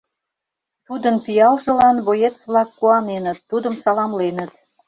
Тудын пиалжылан боец-влак куаненыт, тудым саламленыт.